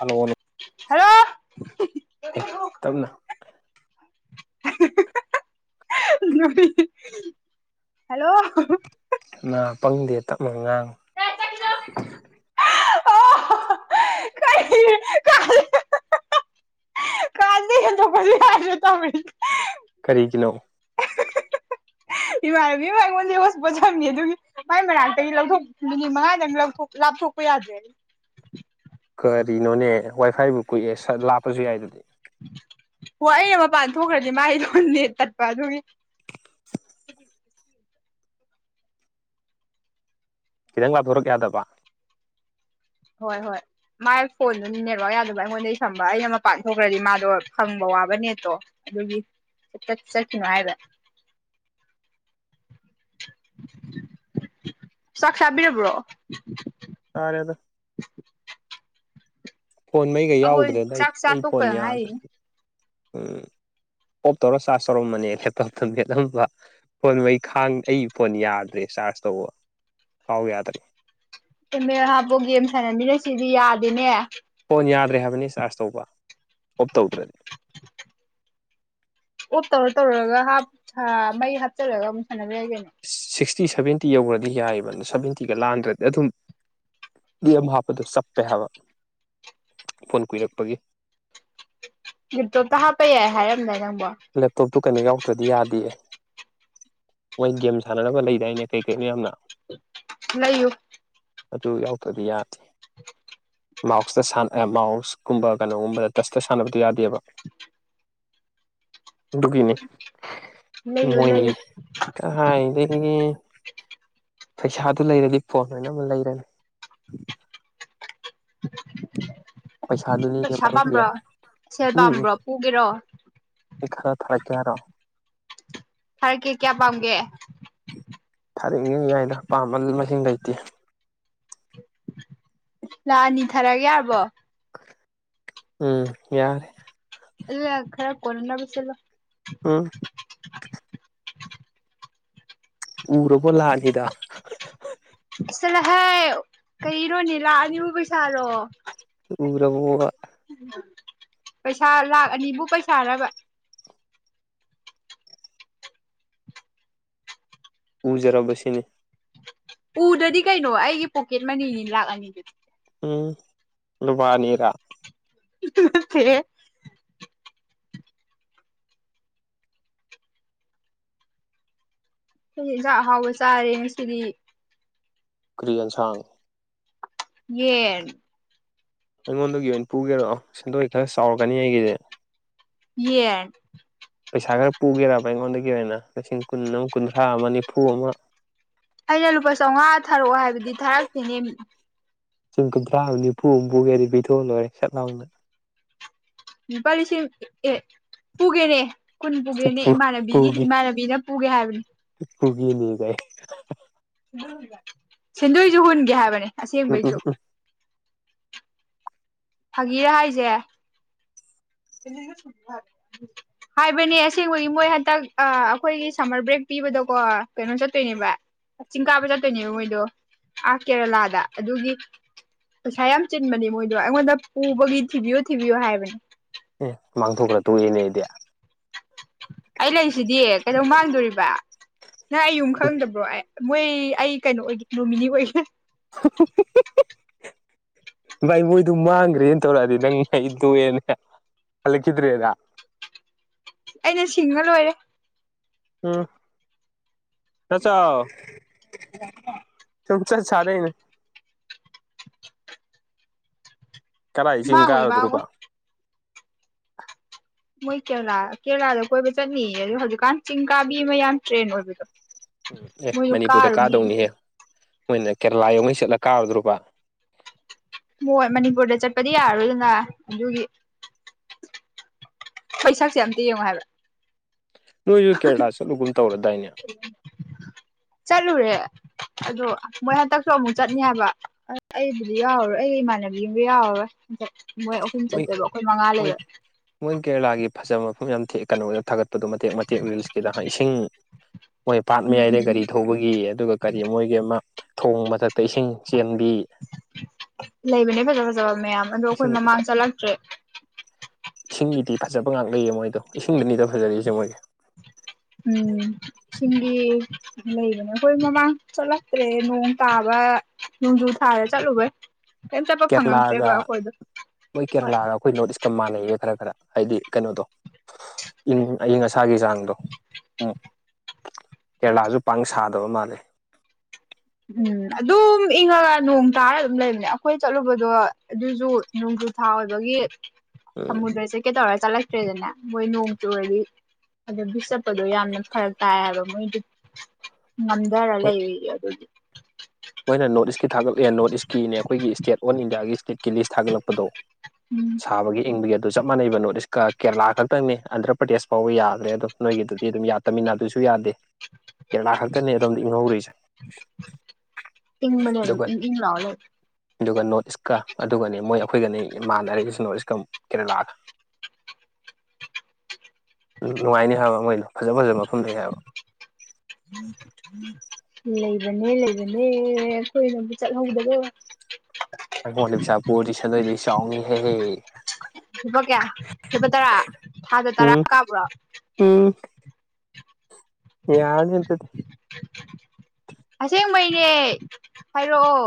hello hello hello ꯇꯞꯅ hello ꯅꯥ ꯄꯪꯗꯦ ꯇꯞꯅ ꯉꯥꯡ ꯀꯥꯁꯤꯗꯩ ꯌꯥꯔꯦ ꯇ ꯀꯔꯤꯒꯤꯅꯣ [inaudible] ꯏꯃꯥꯟꯅꯕꯤ ꯑꯃ ꯑꯩꯉꯣꯟꯗ ꯍꯧꯖꯤꯛ ꯄꯣꯠ ꯁꯝꯅꯤ ꯑꯗꯨꯒꯤ ꯃꯥꯏ ꯃꯅꯥꯛꯇꯒꯤ ꯂꯧꯊꯣꯛ ꯅꯨꯅꯤꯠ ꯃꯉꯥꯗꯪ ꯂꯧꯣꯛ ꯊꯣꯛꯄꯣꯏ ꯌꯥꯖꯦ ꯀꯔꯤꯅꯣꯅꯦ ꯋꯥꯏꯐꯥꯏꯕꯨ ꯀꯨꯏꯑꯦ ꯂꯥꯞꯄꯁꯨ ꯌꯥꯏ ꯑꯗꯨꯗꯤ ꯍ ꯑꯩꯅ ꯃꯄꯥꯟ ꯊꯣꯛꯈ꯭ꯔꯗꯤ ꯃꯥꯒꯤꯗꯣꯟꯅꯦ ꯇꯠꯄ ꯑꯗꯨꯒꯤ [inaudible] ꯈꯤꯇꯪ ꯂꯥꯊꯣꯔꯛꯀꯦꯗꯕ ꯍꯣꯏ ꯍꯣꯏ ꯃꯥꯏ ꯐꯣꯟꯗꯨꯅ ꯅꯦꯠꯋꯥꯛ ꯌꯥꯗꯕ ꯑꯩꯉꯣꯟꯗꯒꯤ ꯁꯝꯕ ꯑꯩꯅ ꯃꯄꯥꯟ ꯊꯣꯛꯈ꯭ꯔꯗꯤ ꯃꯥꯗꯣ ꯐꯪꯕ ꯋꯥꯕ ꯅꯦꯠꯇꯣ ꯑꯗꯨꯒꯤꯠ ꯆꯠꯈꯤꯅꯣ ꯍꯥꯏꯕ [inaudible] ꯆꯥꯛ ꯆꯥꯕꯤꯔꯕ꯭ꯔꯣ ꯇꯔꯦꯗ ꯐꯣꯟꯉꯩꯒ ꯑꯩꯈꯣꯏ ꯌꯥꯎꯗ꯭ꯔꯦꯗ ꯑꯩ ꯆꯥꯛ ꯆꯥ ꯑꯩ ꯐꯣꯟ ꯇꯣꯛꯄꯗ ꯉꯥꯏꯔꯤꯅꯦ ꯌꯥꯗ꯭ꯔꯗꯤꯦ ꯎꯝ ꯑꯣꯞ ꯇꯧꯔ ꯆꯥꯔꯖ ꯇꯧꯔꯝꯕꯅꯦ ꯂꯦꯞꯇꯣꯞꯇ ꯃꯦꯠꯂꯝꯕ ꯐꯣꯟ ꯃꯩ ꯈꯥꯡ ꯑꯩ ꯐꯣꯟ ꯌꯥꯗ꯭ꯔꯦꯦ ꯆꯁ ꯇꯧꯕ ꯐꯥꯎ ꯌꯥꯗꯔꯤ ꯃꯦ ꯍꯥꯄꯨ ꯒꯦꯝ ꯁꯥꯟꯅꯅꯤꯅ ꯁꯤꯗꯤ ꯌꯥꯗꯦꯅꯦ ꯐꯣꯟ ꯌꯥꯗ꯭ꯔꯦ ꯍꯥꯏꯕꯅꯤ ꯆꯥꯔꯖ ꯇꯧꯕ ꯑꯣꯞ ꯇꯧꯗ꯭ꯔꯗꯤ ꯑꯣꯐ ꯇꯧꯔ ꯇꯧꯔꯒꯞ ꯃꯩ ꯍꯥꯞꯆꯜꯔꯒ ꯑꯃꯨꯛ ꯁꯥꯟꯅꯕꯤ ꯌꯥꯒꯦꯅꯦ ꯁꯤꯛꯁꯇꯤ ꯁꯚꯦꯟꯇꯤ ꯌꯧꯔꯗꯤ ꯌꯥꯏꯑꯕ ꯑꯗꯨ ꯁꯕꯦꯟꯇꯤꯒ ꯂꯥꯟꯗ꯭ꯔꯗꯤ ꯑꯗꯨꯝ ꯌꯦꯝ ꯍꯥꯞꯄꯗꯨ ꯁꯞꯄꯦ ꯍꯥꯏꯕ ꯐꯣꯟ ꯀꯨꯏꯔꯛꯄꯒꯤ ꯇꯣꯇ ꯍꯥꯞꯄꯩ ꯌꯥ ꯍꯥꯏꯔꯝꯗꯔ ꯂꯦꯞꯇꯣꯞꯇꯣ ꯀꯩꯅꯣ ꯌꯥꯎ ꯆꯠꯇ꯭ꯔꯗꯤ ꯌꯥꯗꯦ ꯃꯣꯏ ꯒꯦꯝ ꯁꯥꯟꯅꯅꯕ ꯂꯩꯗꯥꯏꯅꯦ ꯀꯩ ꯀꯩ ꯃꯌꯥꯝꯅ ꯂꯩꯌꯨ ꯑꯗꯨ ꯌꯥꯎꯗ꯭ꯔꯗꯤ ꯌꯥꯗꯦ [inaudible] ꯃꯥꯎꯁꯇ ꯃꯥꯎꯁꯀꯨꯝꯕ ꯀꯩꯅꯣꯒꯨꯝꯕꯗ ꯇꯁꯇ ꯁꯥꯟꯅꯕꯗꯨꯣ ꯌꯥꯗꯦꯕ ꯑꯗꯨꯒꯤꯅꯦ ꯏ ꯂꯩꯌꯨ ꯂꯩꯌꯨ ꯃꯣꯏꯅꯤꯒꯤ ꯀꯥꯏ ꯄꯩꯁꯥꯗꯨ ꯂꯩꯔꯗꯤ ꯄꯣꯠ ꯂꯣꯏꯅꯃꯛ ꯂꯩꯔꯅꯤ [inaudible] ꯄꯩꯁꯥꯗꯨꯅꯤꯅꯦ ꯄꯩꯁꯥ ꯃꯔꯨꯞꯒꯤ ꯄꯥꯝꯕ꯭ꯔꯣ ꯁꯦꯜ ꯄꯥꯝꯕ꯭ꯔꯣ ꯄꯨꯒꯦꯔꯣ ꯑꯦꯈꯔꯥ ꯊꯔꯒꯔꯣ ꯐꯔꯛꯀꯦ ꯀꯌꯥ ꯄꯥꯝꯒꯦ ꯊꯥꯔꯤꯉꯤꯉꯩꯗ ꯄꯥꯝꯕ ꯃꯁꯤꯡ ꯂꯩꯇꯦ ꯂꯥꯛꯑꯅꯤ ꯊꯥꯔꯛꯑꯒꯦ ꯌꯥꯔꯕꯣ ꯎꯝ ꯌꯥꯔꯦ ꯏ ꯈꯔꯞ ꯀꯣꯔꯔꯣꯅ ꯄꯁꯂꯣ ꯎꯝ ꯎꯔꯔꯕꯣ ꯂꯥꯛꯑꯅꯤꯗ ꯆꯠꯂꯍꯦ ꯀ ꯏꯔꯣꯅꯦ ꯂꯥꯛꯑꯅꯤꯕ ꯄꯩꯁꯥꯔꯣ ꯎꯔꯕꯕ ꯄꯩꯁꯥ ꯂꯥꯛꯈ ꯑꯅꯤꯕꯨ ꯄꯩꯁꯥꯔꯕ ꯎꯖꯔꯔꯕ ꯁꯤꯅꯤ ꯎꯗꯗꯤ ꯀꯩꯅꯣ ꯑꯩꯒꯤ ꯄꯣꯀꯦꯠ ꯃꯅꯤꯅꯤꯅ ꯂꯥꯛꯑꯅꯤꯗꯨꯗꯤ ꯎꯝ ꯔꯨꯕꯥꯅꯤꯔꯥ ꯐ ꯑꯩ ꯌꯦꯟꯖꯥꯛ ꯑꯍꯥꯎꯕ ꯆꯥꯔꯦ ꯉ ꯁꯤꯗꯤ ꯀ꯭ꯔꯤꯌꯟꯁꯥꯡ ꯌꯦ ꯑꯩꯉꯣꯟꯗꯒꯤ ꯑꯣꯏꯅ ꯄꯨꯒꯦꯔꯛꯑꯣ ꯁꯦꯟꯗꯣꯏ ꯈꯔ ꯆꯥꯎꯔꯛꯀꯅꯤ ꯑꯩꯒꯤꯗꯤꯦ ꯌꯦ ꯄꯩꯁꯥ ꯈꯔ ꯄꯨꯒꯦꯔꯕ ꯑꯩꯉꯣꯟꯗꯒꯤ ꯑꯣꯏꯅ ꯂꯤꯁꯤꯡ ꯀꯨꯟ ꯑꯃ ꯀꯨꯟꯊ꯭ꯔꯥ ꯑꯃ ꯅꯤꯐꯨ ꯑꯃ ꯑꯩꯅ ꯂꯨꯄꯥ ꯆꯥꯝꯃꯉꯥ ꯊꯥꯔꯛꯑꯣ ꯍꯥꯏꯕꯗꯤ ꯊꯥꯔꯛꯇꯦ ꯅꯦꯝꯃꯤ ꯄꯨꯡ ꯀꯨꯟꯊ꯭ꯔꯥ ꯅꯤꯐꯨ ꯍꯨꯝꯐꯨꯒꯗꯤ ꯄꯤꯊꯣꯛꯑ ꯂꯣꯏꯔꯦ ꯁꯠ ꯂꯥꯎꯅ ꯄꯥꯂꯤꯁꯤꯦ ꯄꯨꯒꯦꯅꯦ ꯀꯨꯟ ꯄꯨꯒꯦꯅꯦ ꯏꯃꯥꯟꯅꯕꯤꯒꯤ ꯄꯨꯒꯤ ꯏꯃꯥꯟꯅꯕꯤꯅ ꯄꯨꯒꯦ ꯍꯥꯏꯕꯅꯤ ꯄꯨꯒꯦꯅꯦ ꯀꯥꯏ ꯁꯦꯟꯗꯣꯏꯁꯨ ꯍꯨꯟꯒꯦ ꯍꯥꯏꯕꯅꯦ ꯎꯝ ꯑꯁꯦꯡꯕꯩꯁꯨ ꯎꯝ ꯎꯝ ꯐꯥꯒꯤꯔ ꯍꯥꯏꯁꯦ ꯏ ꯊꯊ ꯍꯥꯏꯕꯅꯦ ꯑꯁꯦꯡꯕꯒꯤ ꯃꯣꯏ ꯍꯟꯗꯛ ꯑ ꯑꯩꯈꯣꯏꯒꯤ ꯁꯝꯃꯔ ꯕ꯭ꯔꯦꯛ ꯄꯤꯕꯗꯣꯀꯣ ꯀꯩꯅꯣ ꯆꯠꯇꯣꯏꯅꯦꯕ ꯆꯤꯡ ꯀꯥꯕ ꯆꯠꯇꯣꯏꯅꯦꯕ ꯃꯣꯏꯗꯣ ꯑꯥ ꯀꯦꯔꯂꯥꯗ ꯑꯗꯨꯒꯤ ꯄꯩꯁꯥ ꯌꯥꯝ ꯆꯤꯟꯕꯅꯦ ꯃꯣꯏꯗꯣ ꯑꯩꯉꯣꯟꯗ ꯄꯨꯕꯒꯤ ꯊꯤꯕꯤꯌꯨ ꯊꯤꯕꯤꯌꯨ ꯍꯥꯏꯕꯅꯦ ꯑꯦ ꯃꯥꯡꯊꯣꯛꯈ꯭ꯔ ꯇꯣꯛꯏꯦꯅꯦ ꯑꯩꯗꯤ ꯑꯩ ꯂꯩꯁꯤꯗꯤ ꯀꯩꯗꯧ ꯃꯥꯡꯗꯣꯔꯤꯕ ꯅꯪ ꯑꯩ ꯌꯨꯝ ꯈꯪꯗꯕ꯭ꯔꯣ ꯑꯩ ꯃꯣꯏ ꯑꯩ ꯀꯩꯅꯣ ꯑꯣꯏꯒꯦ ꯅꯣꯃꯤꯅꯤ ꯑꯣꯏꯒꯦ ꯚꯥꯏ ꯃꯣꯏꯗꯨ ꯃꯥꯡꯈ꯭ꯔꯦꯅ ꯇꯧꯔꯛꯑꯗꯤ ꯅꯪ ꯉꯩꯗꯣꯛꯑꯦꯅ ꯍꯂꯤ ꯀꯗ꯭꯭ꯔꯔꯤ ꯑꯗꯨꯗ ꯑꯩꯅ ꯁꯤꯡꯉ ꯂꯣꯏꯔꯦ ꯑꯝ ꯆꯆ ꯁꯆ ꯁꯔꯅꯦ [unintelligible] ꯀꯗꯥꯏ ꯏꯁꯤꯡ ꯃꯥꯡꯉꯣꯏ ꯀꯥꯔꯗꯣꯕ ꯃꯥꯡꯉꯣꯏ ꯃꯣꯏ ꯀꯦꯔꯂꯥ ꯀꯦꯔꯂꯥꯗ ꯀꯣꯏꯕ ꯆꯠꯅꯤꯌꯦ ꯑꯗꯣ ꯍꯧꯖꯤꯛꯀꯥꯟ ꯆꯤꯡ ꯀꯥꯕꯤ ꯑꯃ ꯌꯥꯝ ꯇ꯭ꯔꯦꯟ ꯑꯣꯏꯕꯗꯣ ꯎꯝ ꯑꯦ ꯃꯣꯏꯗꯣ ꯃꯅꯤꯄꯨꯔꯗ ꯀꯥꯔꯨꯅꯤ ꯀꯥꯗꯧꯅꯤꯍꯦ ꯃꯣꯏꯅ ꯀꯦꯔꯂꯥ ꯌꯧꯉꯩ ꯆꯠꯂ ꯀꯥꯔꯨꯗ꯭ꯔꯣꯕ ꯍꯣꯏ ꯃꯅꯤꯄꯨꯔꯗ ꯆꯠꯄꯗꯤ ꯌꯥꯔꯣꯏꯗꯅ ꯑꯗꯨꯒꯤ ꯄꯩꯁꯥꯛꯁꯦ ꯑꯝꯇ ꯌꯦꯡꯉꯣ ꯍꯥꯏꯕ ꯅꯣꯏꯁꯨ ꯀꯦꯔꯂꯥ ꯆꯠꯂꯨꯒꯨꯝ ꯇꯧꯔꯗꯥꯏꯅꯦ [unintelligible] ꯑꯗꯣ ꯃꯣꯏ ꯍꯟꯗꯛꯁꯨ ꯑꯃꯨꯛ ꯆꯠꯅꯦ ꯍꯥꯏꯕ ꯑꯁ ꯑꯩꯕꯨꯗꯤ ꯌꯥꯎꯔꯔꯣꯏ ꯑꯩꯒ ꯏꯃꯥꯟꯅꯕꯤꯒꯕꯨ ꯌꯥꯎꯔꯔꯣꯏ ꯍꯟ ꯃꯣꯏ ꯑꯍꯨꯝ ꯆꯠꯇꯦꯕꯣ ꯑꯩꯈꯣꯏ ꯃꯉꯥ ꯃꯣꯏ ꯂꯩꯕ ꯃꯣꯏ ꯀꯦꯔꯂꯥꯒꯤ ꯐꯖꯕ ꯃꯐꯝ ꯌꯥꯝ ꯀꯩꯅꯣꯗ ꯊꯥꯒꯠꯄꯗꯨꯣ ꯃꯇꯦꯛ ꯃꯇꯦꯛ ꯔꯤꯜꯁꯀꯤꯗꯥꯟ ꯏꯁꯤꯡ ꯃꯣꯏ ꯄꯥꯠ ꯎꯝ ꯃꯌꯥꯏꯗ ꯎꯝ ꯒꯥꯔꯤ ꯊꯧꯕꯒꯤ ꯑꯗꯨꯒ ꯀꯔꯤ ꯃꯣꯏꯒꯤ ꯑꯃ ꯊꯣꯡ ꯃꯊꯛꯇ ꯏꯁꯤꯡ ꯆꯦꯟꯕꯤ ꯂꯩꯕꯅꯦ ꯐꯖ ꯐꯖꯕ ꯃꯌꯥꯝ ꯑꯗꯣ ꯑꯩꯈꯣꯏ ꯏꯁꯤꯡ ꯃꯃꯥꯡ ꯆꯠꯂꯛꯇ꯭ꯔꯦ ꯏꯁꯤꯡꯒꯤꯗꯤ ꯐꯖꯕ ꯉꯥꯛ ꯂꯩꯌꯦ ꯃꯣꯏꯗꯣ ꯏꯁꯤꯡꯗꯅꯤꯗ ꯐꯖꯔꯛꯏꯁꯦ ꯃꯣꯏꯁꯦ ꯎꯝ ꯁꯤꯡꯒꯤꯗꯤ ꯂꯩꯕꯅꯦ ꯑꯩꯈꯣꯏ ꯃꯃꯥꯡ ꯆꯠꯂꯛꯇ꯭ꯔꯦ ꯅꯣꯡ ꯇꯥꯕ ꯅꯣꯡꯖꯨ ꯊꯥꯔꯦ ꯆꯠꯂꯨꯕꯩ ꯀꯩꯝ ꯆꯠꯄ ꯀꯦꯔꯂꯥꯒ ꯐꯪꯉꯛꯇ꯭ꯔꯦꯕ ꯑꯩꯈꯣꯏꯗꯣ ꯃꯣꯏ ꯍꯣꯏ ꯀꯦꯔꯂꯥꯒ ꯑꯩꯈꯣꯏ ꯅꯣꯔꯠ ꯏꯁꯀ ꯃꯥꯟꯅꯩꯌꯦ ꯈꯔ ꯈꯔ ꯍꯥꯏꯗꯤ ꯀꯩꯅꯣꯗꯣꯪ ꯑꯏꯤꯡ ꯑꯁꯥꯒꯤ ꯆꯥꯡꯗꯣ ꯎꯝ ꯀꯦꯔꯂꯥꯁꯨ ꯄꯥꯡ ꯁꯥꯗꯕ ꯃꯥꯜꯂꯦ ꯎꯝ ꯑꯗꯨꯝ ꯏꯪꯉꯒ ꯅꯣꯡ ꯇꯥꯔ ꯑꯗꯨꯝ ꯂꯩꯕꯅꯦ ꯑꯩꯈꯣꯏ ꯆꯠꯂꯨꯕꯗꯣ ꯑꯗꯨꯁꯨ ꯊꯥ ꯑꯣꯏꯕꯒꯤ ꯎꯝ ꯁꯃꯨꯗ꯭ꯔꯁꯦ ꯀꯩꯗꯧꯔ ꯆꯠꯂꯛꯇ꯭ꯔꯦꯗꯅꯦ ꯃꯣꯏ ꯅꯣꯡ ꯆꯨꯔꯗꯤ ꯑꯗ ꯆꯠꯄꯗꯣ ꯌꯥꯝꯅ ꯐꯔꯛ ꯇꯥꯏ ꯍꯥꯏꯕ ꯃꯣꯏꯗꯤ ꯉꯝꯊꯔ ꯂꯩꯔꯤ ꯑꯗꯨꯗꯤ ꯃꯣꯏꯅ ꯅꯣꯔꯠ ꯏꯁꯀꯤ ꯊꯥꯒꯠꯂꯦ ꯅꯣꯔꯠ ꯏꯁꯀꯤꯅꯦ ꯑꯩꯈꯣꯏꯒꯤ ꯏꯁꯇꯦꯠ ꯑꯣꯜ ꯏꯟꯗꯤꯌꯥꯒꯤ ꯏꯁꯇꯦꯠꯀꯤ ꯂꯤꯁ ꯊꯥꯒꯠꯂꯛꯄꯗꯣ ꯎꯝ ꯁꯥꯕꯒꯤ ꯕꯒꯤ ꯑꯗꯨ ꯆꯞ ꯃꯥꯟꯩꯕ ꯅꯣꯔꯠ ꯏꯁ ꯀꯦꯔꯂꯥ ꯈꯛꯇꯪꯅꯤ ꯑꯟꯗ꯭ꯔ ꯄ꯭ꯔꯗꯦꯁ ꯐꯥꯎꯕ ꯌꯥꯗ꯭ꯔꯦ ꯑꯗꯨꯝ ꯅꯣꯏꯒꯤꯗꯨꯗꯤ ꯑꯗꯨꯝ ꯌꯥ ꯇꯃꯤꯟꯅ ꯌꯥꯁꯨ ꯌꯥꯗꯦ ꯀꯦꯔꯂꯥ ꯈꯛꯇꯅꯦ ꯑꯗꯣꯝꯗ ꯏꯪꯍꯧꯔꯔꯤꯁꯦ ꯏꯤꯡ ꯃꯅꯤꯝ ꯏ ꯏꯥꯜ ꯑꯗꯨꯒ ꯅꯣꯔꯠ ꯏꯁꯀ ꯑꯗꯨꯒꯅꯤ ꯃꯣꯏ ꯑꯩꯈꯣꯏꯒꯅꯤ ꯏꯃꯥꯟꯅꯔꯤꯁꯨ ꯅꯣꯔꯠ ꯏꯁꯀ ꯀꯦꯔꯂꯥꯒ [inaudible] ꯅꯨꯡꯉꯥꯏꯅꯤ ꯍꯥꯏꯕ ꯃꯩꯅ ꯐꯖ ꯐꯖꯕ ꯃꯐꯝ ꯂꯩ ꯍꯥꯏꯕ ꯂꯩꯕꯅꯦ ꯂꯩꯕꯅꯦ ꯀꯈꯣꯏꯅ ꯆꯠꯍꯧꯗꯗ ꯑꯩꯉꯣꯟꯗ ꯄꯕꯤꯁꯥꯄꯨꯔꯗꯤ ꯁꯗꯣꯏꯗꯤ ꯆꯥꯎꯅꯤꯍꯦꯍꯦ ꯁꯨꯄꯥ ꯀꯌꯥ ꯁꯨꯄꯥ ꯇꯔꯥ ꯊꯥꯗ ꯇꯔꯥ ꯎꯝ ꯀꯥꯕ꯭ꯔꯣ ꯌꯥꯅꯤꯗꯤ ꯑꯁꯦꯡꯕꯩꯅꯦ ꯍꯥꯏꯔꯛꯑꯣ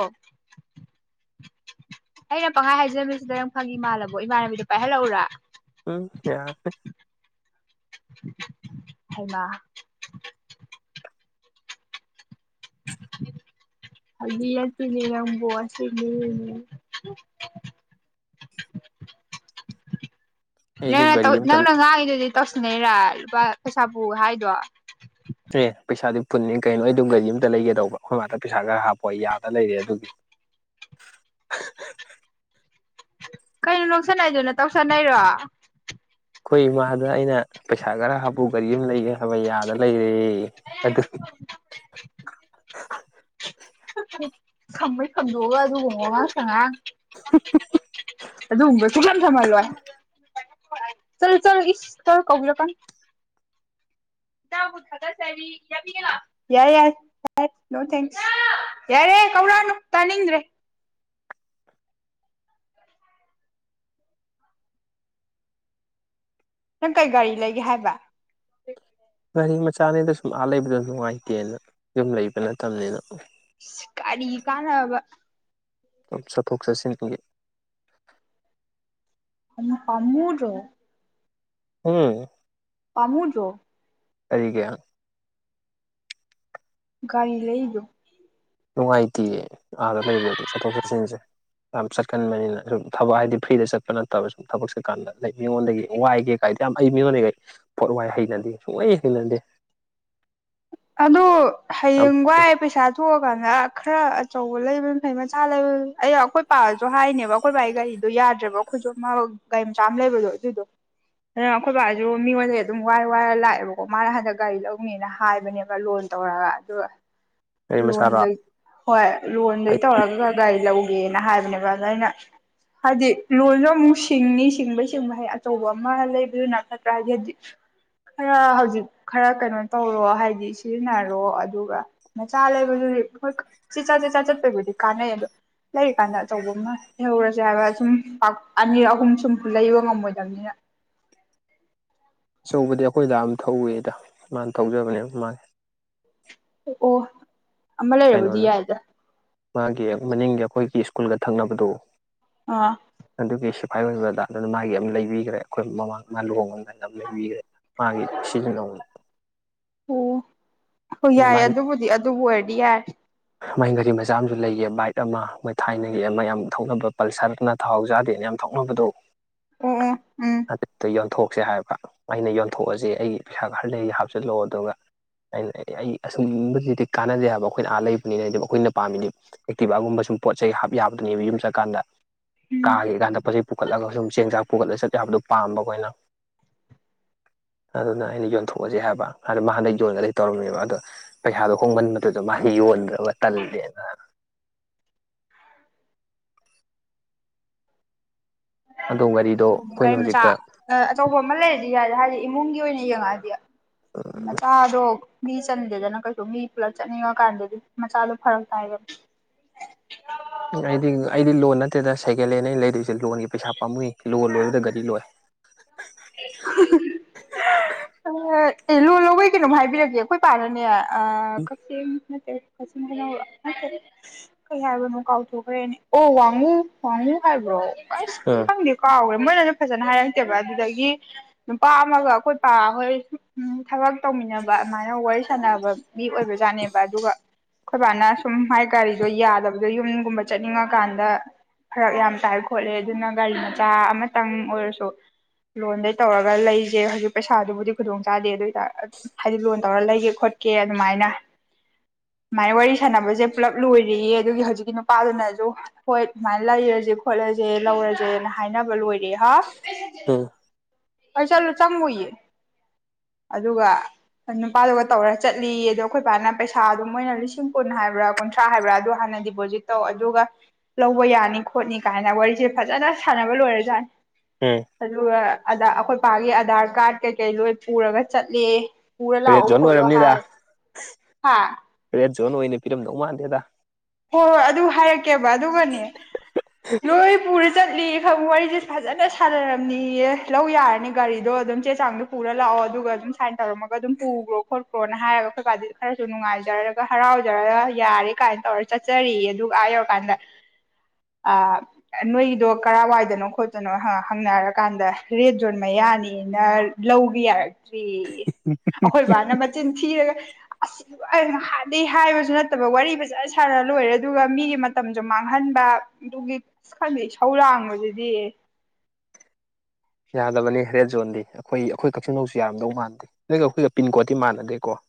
ꯑꯩꯅ ꯄꯪꯈꯥꯏ ꯍꯥꯏꯖꯃꯤꯁꯤꯗ ꯅꯪꯉꯤꯃꯜꯂꯕꯣ ꯏꯃꯥꯟꯅꯕꯤꯗꯣ ꯄꯥꯏꯍꯜꯂꯛꯎꯔꯥ ꯎꯝ ꯌꯥꯔꯦ ꯍꯃ ꯑ ꯇꯅꯤꯔꯪꯕꯣꯁ [inaudible] ꯑꯩꯗꯨ ꯅꯪꯅ ꯒꯥꯔꯤ ꯑꯝꯇ ꯅꯪꯅ ꯉꯥꯡꯉꯤꯗꯨꯗꯤ ꯇꯧꯁꯤꯟꯅꯩꯔꯥ ꯂꯨꯄꯥ ꯄꯩꯁꯥ ꯄꯨ ꯍꯥꯏꯗꯣ ꯑꯦ ꯄꯩꯁꯥꯗꯤ ꯄꯨꯟꯅꯤ ꯀꯩꯅꯣ ꯑꯩ ꯑꯗꯨꯝ ꯒꯥꯔꯤ ꯑꯝꯇ ꯂꯩꯒꯦꯗꯧꯕ ꯑꯩꯈꯣꯏ ꯃꯥꯇ ꯄꯩꯁꯥ ꯈꯔ ꯍꯥꯞꯄ ꯑꯩ ꯌꯥꯗꯅ ꯂꯩꯔꯦ ꯑꯗꯨꯒꯤ [inaudible] ꯀꯩꯅꯣ ꯂꯧꯁꯅꯩꯗꯨꯅ ꯇꯧꯁꯟꯅꯩꯔꯣ ꯑꯩꯈꯣꯏ ꯏꯃꯥꯗ ꯑꯩꯅ ꯄꯩꯁꯥ ꯈꯔ ꯍꯥꯞꯄꯨ ꯀꯔꯤ ꯑꯃ ꯂꯩꯒꯦ ꯍꯥꯏꯕ ꯌꯥꯗꯅ ꯂꯩꯔꯦ ꯑꯗꯨ ꯁꯝꯃꯩ ꯈꯝꯗꯣꯛꯑꯒ ꯑꯗꯨ ꯍꯣꯡꯉꯣ ꯉꯥꯡ ꯁꯉꯥꯡ [inaudible] ꯑꯗꯨꯗ ꯎꯕꯁꯨ ꯀꯝ ꯊꯃꯂ ꯋꯥ ꯆꯜ ꯆ ꯏꯁ ꯆ ꯀꯕꯨ ꯂ ꯀ [inaudible] ꯊꯒ ꯌꯥ ꯌꯥ ꯅꯣ ꯊ ꯌꯥꯔꯦ ꯀꯧꯔꯛꯅꯨ ꯇꯥꯅꯤꯡꯗ꯭ꯔꯦ ꯅꯪ ꯀꯩ ꯒꯥꯔꯤ ꯂꯩꯒꯦ ꯍꯥꯏꯕ ꯒꯥꯔꯤ ꯃꯆꯥꯅꯤꯗ ꯁꯨꯝ ꯑꯥ ꯂꯩꯕꯗ ꯅꯨꯡꯉꯥꯏꯇꯦꯅ ꯌꯨꯝ ꯂꯩꯕ ꯅꯠꯇꯅꯤꯅ ꯀꯔꯤ ꯀꯥꯟꯅꯕ ꯆꯐꯣꯛ ꯆꯠꯁꯤꯟꯁꯤꯡꯒꯤꯒꯤ ꯐꯃꯨꯔ ꯎꯝ ꯐꯥꯃꯨꯡꯗ꯭ꯔꯣ ꯀꯔꯤꯒ ꯔꯤ ꯂꯩꯗ ꯅꯨꯡꯉꯥꯏꯇꯦ ꯑꯥꯗ ꯂꯩꯕꯗꯗꯤ ꯆꯠꯊꯣꯛ ꯆꯠꯁꯤꯟꯁꯦ ꯌꯥꯝ ꯆꯠꯀꯟꯕꯅꯤꯅ ꯁꯨꯝ ꯊꯕꯛ ꯍꯥꯏꯗꯤ ꯐ꯭ꯔꯤꯗ ꯆꯠꯄ ꯅꯠꯇꯕ ꯁꯨꯝ ꯊꯕꯛ ꯆꯠꯀꯥꯟꯗ ꯃꯤꯉꯣꯟꯗꯒꯤ ꯋꯥꯏꯒꯦ ꯀꯥꯏꯗ ꯌꯥꯝ ꯍꯩ ꯃꯤꯉꯣꯟꯗꯩꯈꯩ ꯄꯣꯠ ꯋꯥꯏ ꯍꯩꯅꯗꯦ ꯁꯨꯡꯍꯩ ꯍꯤꯡꯅꯗꯦ ꯑꯗꯨ ꯍꯌꯦꯡ ꯋꯥꯏ ꯄꯩꯁꯥ ꯊꯣꯛꯑ ꯗꯨꯀꯥꯟꯗ ꯈꯔ ꯑꯆꯧꯕ ꯂꯩꯕꯅꯤ ꯐꯩ ꯃꯆꯥ ꯂꯩꯕ ꯑꯩ ꯑꯩꯈꯣꯏ ꯄꯥꯁꯨ ꯍꯥꯏꯅꯦꯕ ꯑꯩꯈꯣꯏ ꯄꯕꯥꯒꯤ ꯒꯥꯔꯤꯗꯣ ꯌꯥꯗ꯭ꯔꯦꯕ ꯑꯩꯈꯣꯏꯁꯨ ꯑꯃ ꯒꯥꯔꯤ ꯃꯆꯥꯥꯝ ꯂꯩꯕꯗꯣ ꯑꯗꯨꯗꯣ ꯑꯗꯨ ꯑꯩꯈꯣꯏ ꯕꯥꯁꯨ ꯃꯤꯉꯣꯟꯗ ꯑꯗꯨꯝ ꯋꯥꯏꯔ ꯋꯥꯏꯔ ꯂꯥꯛꯑꯦꯕꯀꯣ ꯃꯥꯅ ꯍꯟꯗꯛ ꯒꯥꯔꯤ ꯂꯧꯅꯦꯅ ꯍꯥꯏꯕꯅꯦꯕ ꯂꯣꯟ ꯇꯧꯔꯒ ꯑꯗꯨꯒ ꯒꯥꯔꯤ ꯃꯆꯥꯔꯣ ꯂꯣꯟꯗꯩ ꯍꯣꯏ ꯂꯣꯟꯗꯩ ꯇꯧꯔꯒ ꯒꯥꯔꯤ ꯂꯧꯧꯕ ꯑꯦꯅ ꯍꯥꯏꯕꯅꯦꯕ ꯑꯗꯣ ꯑꯩꯅ ꯍꯥꯏꯗꯤ ꯂꯣꯟꯁꯨ ꯑꯃꯨꯛ ꯁꯤꯡꯅꯤ ꯁꯤꯡꯕꯩ ꯁꯤꯡꯕ ꯍꯥꯏ ꯑꯆꯧꯕ ꯑꯃ ꯂꯩꯕꯗꯨꯅꯀꯠꯇ꯭ꯔꯥ ꯍꯥꯏꯗꯤ ꯍꯥꯏꯗꯤ ꯈꯔ ꯍꯧꯖꯤꯛ ꯈꯔ ꯀꯩꯅꯣ ꯇꯧꯔꯣ ꯍꯥꯏꯗꯤ ꯁꯤꯖꯤꯟꯅꯔꯣ ꯑꯗꯨꯒ ꯃꯆꯥ ꯂꯩꯕꯗꯨꯗꯤ ꯍꯣꯏ ꯆ ꯆꯥ ꯆꯠ ꯆꯥ ꯆꯠꯄꯩꯕꯨꯗꯤ ꯀꯥꯟꯅꯩ ꯑꯗꯣ ꯂꯩꯔꯤꯀꯥꯟꯗ ꯑꯆꯧꯕ ꯑꯃ ꯂꯩꯍꯧꯔꯁꯦ ꯍꯥꯏꯕ ꯁꯨꯝ ꯑꯅꯤꯔ ꯑꯍꯨꯝ ꯁꯨꯝ ꯂꯩꯕ ꯉꯝꯃꯣꯏꯗꯕꯅꯤꯅ [inaudible] ꯑꯆꯧꯕꯗꯤ ꯑꯩꯈꯣꯏꯗꯗꯥ ꯑꯃꯝ ꯊꯧꯋꯦꯗ ꯃꯥꯅ ꯊꯧꯖꯕꯅꯦꯕ ꯃꯥꯁ ꯑꯣ ꯑꯣ ꯑꯃ ꯂꯩꯔꯕꯗꯤ ꯀꯩꯅꯣꯅ ꯌꯥꯏꯗ ꯃꯥꯒꯤ ꯃꯅꯤꯡꯒꯤ ꯑꯩꯈꯣꯏꯒꯤ ꯁ꯭ꯀꯨꯜꯒ ꯊꯪꯅꯕꯗꯨ ꯑꯥ ꯑꯗꯨꯒꯤ ꯎꯥꯏ ꯑꯣꯏꯕꯗ ꯑꯗꯨꯅ ꯃꯥꯒꯤ ꯑꯃ ꯂꯩꯕꯤꯈ꯭ꯔꯦ ꯑꯩꯈꯣꯏ ꯃꯃꯥꯡ ꯃꯥ ꯂꯨꯍꯉꯅꯤ ꯂꯩꯕꯤꯈ꯭ꯔꯦ ꯃꯥꯒꯤ ꯁꯤꯖꯤꯟꯅꯧꯅꯤ ꯑꯣ ꯍꯣꯏ ꯌꯥꯏ ꯑꯗꯨꯕꯨꯗꯤ ꯑꯗꯨꯕꯨ ꯑꯣꯏꯔꯗꯤ ꯌꯥꯏ ꯃꯥꯏ ꯒꯥꯔꯤ ꯃꯆꯥ ꯑꯃꯁꯨ ꯂꯩꯒ ꯕꯥꯏꯛ ꯑꯃ ꯃꯣꯏ ꯊꯥꯏꯅꯒꯤ ꯑꯃ ꯌꯥꯝ ꯊꯧꯅꯕ ꯄꯜꯁꯔꯅ ꯊꯍꯥꯎ ꯆꯥꯗꯦꯅ ꯌꯥꯝ ꯊꯣꯛꯅꯕꯗꯣ ꯑꯣ ꯑꯣ ꯎꯝ ꯍꯗꯛꯇ ꯌꯟꯊꯣꯛ ꯀꯛꯁꯦ ꯍꯥꯏꯕ ꯑꯩꯅ ꯌꯣꯟꯊꯣꯛꯑꯁꯦ ꯑꯩꯒꯤ ꯄꯩꯁꯥ ꯈꯔꯗ ꯍꯥꯞꯆꯤꯜꯂꯛꯑꯣ ꯑꯗꯨꯒ ꯑꯩꯅ ꯑꯩ ꯑꯒꯨꯝꯕꯁꯤꯗꯤ ꯀꯥꯟꯅꯖꯩ ꯍꯥꯏꯕ ꯑꯩꯈꯣꯏꯅ ꯑꯥ ꯂꯩꯕ ꯅ ꯑꯩꯈꯣꯏꯅ ꯄꯥꯝꯃꯤꯗꯤ ꯑꯦꯛꯇꯤꯚꯒꯨꯝꯕ ꯁꯨꯝ ꯄꯣꯠ ꯆꯩ ꯍꯥꯞ ꯌꯥꯕꯗꯨꯅꯦꯕ ꯌꯨꯝ ꯆꯠꯀꯥꯟꯗ ꯀꯥꯒ ꯏꯀꯥꯟꯗꯄꯠꯁꯤꯩ ꯄꯨꯈꯠꯂꯒ ꯁꯨꯝ ꯆꯦꯡ ꯆꯥꯛ ꯄꯨꯈꯠꯂꯒ ꯆꯠꯂꯦ ꯍꯥꯏꯕꯗꯣ ꯄꯥꯝꯕ ꯑꯩꯈꯣꯏꯅ [inaudible] ꯑꯗꯨꯅ ꯑꯩꯅ ꯌꯣꯟꯊꯣꯛꯑꯁꯦ ꯍꯥꯏꯕ ꯑꯗꯨꯗ ꯃꯥ ꯍꯅ ꯌꯣꯟꯒꯗꯤ ꯇꯧꯔꯝꯃꯦꯕ ꯑꯗꯣ ꯄꯩꯁꯥꯗꯣ ꯍꯣꯡꯃꯟꯕꯗꯨꯗ ꯃꯥ ꯃꯍꯩ ꯌꯣꯟꯗꯕ ꯇꯜꯂꯦꯅ ꯑꯗꯣ ꯒꯥꯔꯤꯗꯣ ꯎ ꯎ ꯑꯩꯈꯣꯏꯅ ꯒꯥꯔꯤ ꯃꯆꯥ ꯍꯧꯖꯤꯛꯇ ꯑꯆꯧꯕ ꯑꯃ ꯂꯩꯔꯗꯤ ꯌꯥꯔꯦ ꯍꯥꯏꯗꯤ ꯏꯃꯨꯡꯒꯤ ꯑꯣꯏꯅ ꯌꯦꯡꯉꯛꯑꯗꯤ ꯃꯆꯥꯗꯣ ꯃꯤ ꯆꯟꯗꯦꯗꯅ ꯀꯩꯁꯨ ꯃꯤ ꯄꯨꯂꯞ ꯆꯠꯅꯤꯡꯉꯀꯥꯟꯗꯗꯤ ꯃꯆꯥꯗꯨꯣ ꯐꯔꯛ ꯇꯥꯏꯒ ꯑꯩꯗꯤ ꯑꯩꯗꯤ ꯂꯣꯟ ꯅꯠꯇꯦꯗ ꯁꯦꯀꯦꯟ ꯍꯦꯟ ꯑꯩꯅ ꯂꯩꯗꯣꯏꯁꯦ ꯂꯣꯟꯒꯤ ꯄꯩꯁꯥ ꯄꯥꯝꯃꯨꯏ ꯂꯣ ꯂꯣꯏꯕꯗ ꯒꯥꯔꯤ ꯂꯣꯏ ꯑꯦ ꯂꯣꯟ ꯂꯧꯕꯩ ꯀꯩꯅꯣꯝ ꯍꯥꯏꯕꯤꯔꯛꯒꯦ ꯑꯩꯈꯣꯏ ꯄꯥꯅꯅꯦ ꯀꯛꯆꯤꯡ ꯅꯠꯇꯦ ꯀꯆꯤꯡ ꯀꯩꯅ ꯀꯩ ꯍꯥꯏꯕꯅꯣ ꯀꯥꯎꯊꯣꯛꯈ꯭ꯔꯦꯅꯦ ꯑꯣ ꯋꯥꯡꯉꯨ ꯋꯥꯡꯉꯨ ꯍꯥꯏꯕ꯭ꯔꯣ ꯑꯁ ꯎꯝ ꯈꯪꯗꯦ ꯀꯥꯎꯈ꯭ꯔꯦ ꯃꯣꯏꯅꯁꯨ ꯐꯖꯅ ꯍꯥꯏꯔꯛꯇꯦꯕ ꯑꯗꯨꯗꯒꯤ ꯑꯗꯒꯤ ꯅꯨꯄꯥ ꯑꯃꯒ ꯑꯩꯈꯣꯏ ꯄꯥ ꯍꯣꯏ ꯎ ꯊꯕꯛ ꯇꯧꯃꯤꯟꯅꯕ ꯑꯗꯨꯃꯥꯏꯅ ꯋꯥꯔꯤ ꯁꯥꯟꯅꯕ ꯃꯤ ꯑꯣꯏꯕꯖꯥꯠꯅꯦꯕ ꯑꯗꯨꯒ ꯑꯩꯈꯣꯏꯕꯥꯅ ꯁꯨꯝ ꯍꯥꯏ ꯒꯥꯔꯤꯗꯣ ꯌꯥꯗꯕꯗꯣ ꯌꯨꯝꯒꯨꯝꯕ ꯆꯠꯅꯤꯡꯉꯀꯥꯟꯗ ꯐꯔꯛ ꯌꯥꯝ ꯇꯥꯏ ꯈꯣꯠꯂꯦ ꯑꯗꯨꯅ ꯒꯥꯔꯤ ꯃꯆꯥ ꯑꯃꯇꯪ ꯑꯣꯏꯔꯁꯨ ꯂꯣꯟꯗꯩ ꯇꯧꯔꯒ ꯂꯩꯁꯦ ꯍꯧꯖꯤꯛ ꯄꯩꯁꯥꯗꯨꯕꯨꯗꯤ ꯈꯨꯗꯣꯡ ꯆꯥꯗꯦ ꯑꯗꯨ ꯑꯣꯏꯇꯥꯔ ꯍꯥꯏꯗꯤ ꯂꯣꯟ ꯇꯧꯔꯒ ꯂꯩꯒꯦ ꯈꯣꯠꯀꯦ ꯑꯗꯨꯃꯥꯏꯅ [inaudible] ꯁꯨꯃꯥꯏ ꯋꯥꯔꯤ ꯁꯥꯟꯅꯕꯁꯦ ꯄꯨꯂꯞ ꯂꯣꯏꯔꯤꯌꯦ ꯑꯗꯨꯒꯤ ꯍꯧꯖꯤꯛꯀꯤ ꯅꯨꯄꯥꯗꯨꯅꯁꯨ ꯍꯣꯏ ꯁꯨꯃꯥꯏꯅ ꯂꯩꯔꯁꯦ ꯈꯣꯠꯂꯁꯤ ꯁꯦ ꯂꯧꯔꯁꯦꯅ ꯍꯥꯏꯅꯕ ꯂꯣꯏꯔꯦ ꯍꯥ ꯎꯝ ꯑꯩ ꯆꯠꯂꯨ ꯆꯪꯉꯨꯏꯌꯦ ꯑꯗꯨꯒ ꯅꯨꯄꯥꯗꯨꯒ ꯇꯧꯔ ꯆꯠꯂꯤ ꯑꯗꯣ ꯑꯩꯈꯣꯏ ꯄꯅ ꯄꯩꯁꯥ ꯑꯗꯨ ꯃꯣꯏꯅ ꯂꯤꯁꯤꯡ ꯀꯨꯟ ꯍꯥꯏꯕ꯭ꯔꯥ ꯀꯨꯟꯊ꯭ꯔꯥ ꯍꯥꯏꯕ꯭ꯔꯥ ꯑꯗꯨ ꯍꯥꯟꯅ ꯗꯤꯄꯣꯖꯤꯠ ꯇꯧ ꯑꯗꯨꯒ ꯂꯧꯕ ꯌꯥꯅꯤ ꯈꯣꯠꯅꯤ ꯀꯥꯏꯅ ꯋꯥꯔꯤꯁꯦ ꯐꯖꯅ ꯁꯥꯟꯅꯕ ꯂꯣꯏꯔꯖꯥꯠꯅꯤ ꯎꯝ ꯑꯗꯨꯒ ꯑ ꯑꯩꯈꯣꯏ ꯏ ꯄꯄꯥꯒꯤ ꯑꯙꯔ ꯀꯥꯔꯗ ꯀꯩꯀꯩ ꯂꯣꯏ ꯄꯨꯔꯒ ꯆꯠꯂꯤ ꯔꯦꯠ ꯖꯣꯟ ꯑꯣꯏꯔꯝꯅꯤꯗ ꯍꯥ ꯔꯦꯠ ꯖꯣꯟ ꯑꯣꯏꯅꯤ ꯄꯤꯔꯝꯗꯧ ꯃꯥꯟꯗꯦꯗ ꯍꯣꯏ ꯍꯣꯏ ꯑꯗꯨ ꯍꯥꯏꯔꯛꯀꯦꯕ ꯑꯗꯨꯒꯅꯦ ꯂꯣꯏ ꯄꯨꯔ ꯆꯠꯂꯤ ꯐꯕꯛ ꯋꯥꯔꯤꯁꯦ ꯐꯖꯅ ꯁꯥꯟꯅꯔꯝꯅꯤꯌꯦ ꯂꯧ ꯌꯥꯔꯅꯤ ꯒꯥꯔꯤꯗꯣ ꯑꯗꯨꯝ ꯆꯦ ꯆꯥꯡꯗꯣ ꯄꯨꯔ ꯂꯥꯛꯑꯣ ꯑꯗꯨꯒ ꯑꯗꯨꯝ ꯁꯥꯏꯟ ꯇꯧꯔꯝꯃꯒ ꯑꯗꯨꯝ ꯄꯨꯈ꯭ꯔꯣ ꯈꯣꯠꯈ꯭ꯔꯣꯅ ꯍꯥꯏꯔꯒ ꯑꯩꯈꯣꯏꯀꯗꯤ ꯈꯔꯁꯨ ꯅꯨꯡꯉꯥꯏꯖꯔꯒ ꯍꯔꯥꯎꯖꯔꯒ ꯌꯥꯔ ꯌꯥ ꯀꯥꯏꯅ ꯇꯧꯔ ꯆꯠꯆꯔꯤ ꯑꯗꯨ ꯍꯥꯏꯌꯧꯀꯥꯟꯗ ꯅꯣꯏꯗꯣ ꯀꯔꯥꯏ ꯋꯥꯏꯗꯅꯣ ꯈꯣꯠꯇꯅꯣ ꯍꯪꯅꯔꯀꯥꯟꯗ ꯔꯦꯠ ꯖꯣꯟ ꯃꯌꯥ ꯏꯅꯦꯅ ꯂꯧꯕ ꯌꯥꯔꯛꯇ꯭ꯔꯤ ꯑꯩꯈꯣꯏ ꯕꯥꯅ ꯃꯆꯤꯟ ꯊꯤꯔꯒ ꯍꯥꯟꯩ ꯍꯥꯏꯕꯁꯨ ꯅꯠꯇꯕ ꯋꯥꯔꯤ ꯐꯖ ꯁꯥꯔ ꯂꯣꯏꯔꯦ ꯑꯗꯨꯒ ꯃꯤꯒꯤ ꯃꯇꯝꯁꯨ ꯃꯥꯡꯍꯟꯕ ꯑꯗꯨꯒꯤ ꯈꯗ ꯁꯧ ꯂꯥꯡꯕꯗꯨꯗꯤ [inaudible] ꯌꯥꯗꯕꯅꯤ ꯔ ꯔꯦꯠ ꯖꯣꯟꯗꯤ ꯑꯩꯈꯣꯏ ꯑꯩꯈꯣꯏ ꯀꯛꯆꯤꯡ ꯅꯧꯁꯨ ꯌꯥꯔꯝꯗꯧ ꯃꯥꯟꯅꯗꯦ ꯅꯒ ꯑꯩꯈꯣꯏꯒ ꯄꯤꯟꯀꯣꯗꯇꯤ ꯃꯥꯟꯅꯗꯦꯀꯣ [inaudible]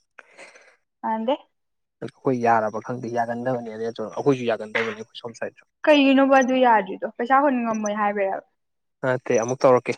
ꯑꯗꯦ ꯑꯩꯈꯣꯏ ꯌꯥꯔꯕ ꯈꯪꯗꯦ ꯌꯥꯒꯟꯗꯕꯅꯤ ꯑ ꯑꯩꯈꯣꯏꯁꯨ ꯌꯥꯒꯟꯗꯕꯅꯤ ꯀꯩꯒꯤꯅꯣꯕ ꯑꯗꯨ ꯌꯥꯗ꯭ꯔꯤꯗꯣ ꯄꯩꯁꯥ ꯍꯨꯟ ꯉꯝꯃꯣꯏ ꯍꯥꯏꯕ꯭ꯔꯦꯕ ꯅꯠꯇꯦ ꯑꯃꯨꯛ ꯇꯧꯔꯛꯀꯦ